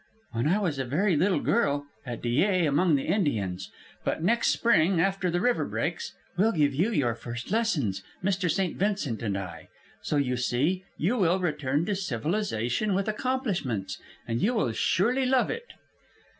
"When I was a very little girl, at Dyea, among the Indians. But next spring, after the river breaks, we'll give you your first lessons, Mr. St. Vincent and I. So you see, you will return to civilization with accomplishments. And you will surely love it."